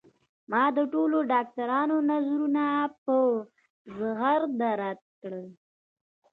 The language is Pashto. ما د ټولو ډاکترانو نظرونه په زغرده رد کړل